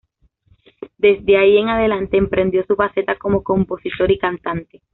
Desde ahí en adelante emprendió su faceta como compositor y cantante.